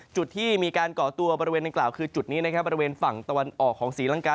จุดที่มีการก่อตัวบริเวณดังกล่าวคือจุดนี้นะครับบริเวณฝั่งตะวันออกของศรีลังกา